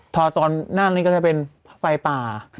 พอตอนหน้านี้ก็จะเป็นไฟป่า